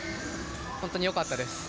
本当に良かったです。